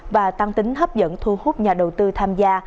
và tăng tính hấp dẫn thu hút nhà đầu tư tham gia